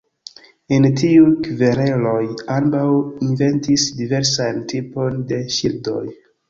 En tiuj kvereloj, ambaŭ inventis diversajn tipojn de ŝildoj.